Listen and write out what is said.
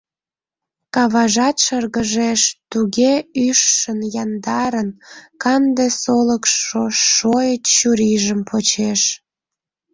Каважат шыргыжеш туге ӱжшын, яндарын, Канде солыкшо шойыч чурийжым почеш.